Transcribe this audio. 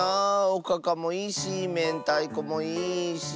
おかかもいいしめんたいこもいいし。